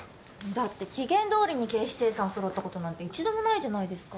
だって期限どおりに経費精算そろったことなんて１度もないじゃないですか。